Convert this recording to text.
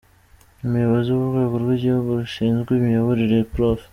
Umuyobozi w’Urwego rw’Igihugu rushinzwe imiyoborere, Prof.